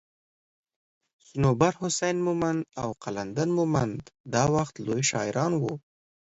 صنوبر حسين مومند او قلندر مومند دا وخت لوي شاعران وو